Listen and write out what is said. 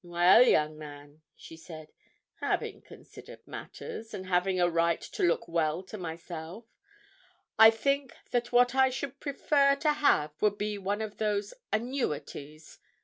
"Well, young man," she said, "having considered matters, and having a right to look well to myself, I think that what I should prefer to have would be one of those annuities.